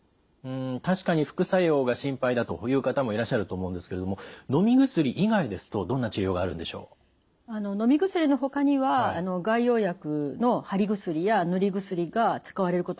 確かに副作用が心配だという方もいらっしゃると思うんですけれどものみ薬以外ですとどんな治療があるんでしょう？のみ薬のほかには外用薬の貼り薬や塗り薬が使われることがあります。